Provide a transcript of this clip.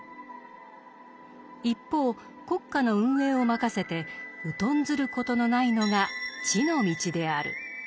一方国家の運営を任せて疎んずることのないのが地の道である。